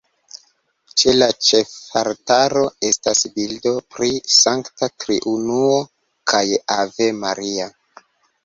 Ĉe la ĉefaltaro estas bildoj pri Sankta Triunuo kaj Ave Maria.